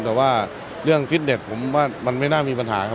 แต่ว่าเรื่องฟิตเน็ตผมว่ามันไม่น่ามีปัญหาครับ